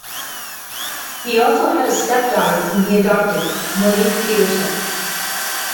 He also had a stepdaughter whom he adopted, Monique Petersen.